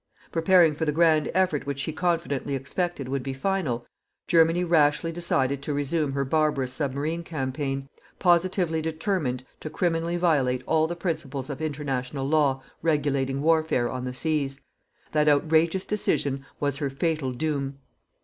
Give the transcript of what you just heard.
Preparing for the grand effort which she confidently expected would be final, Germany rashly decided to resume her barbarous submarine campaign, positively determined to criminally violate all the principles of International Law regulating warfare on the seas. That outrageous decision was her fatal doom.